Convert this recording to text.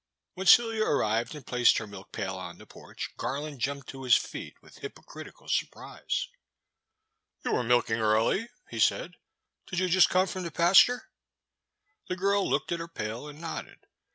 When Celia arrived and placed her milk pail on the porch, Garland jumped to his feet with hypo critical surprise. You are milking early," he said, did you just come from the pasture ?" The girl looked at her pail and nodded.